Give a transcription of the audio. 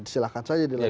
silahkan saja dilakukan